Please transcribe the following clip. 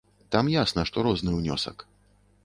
Там ясна, што розны ўнёсак.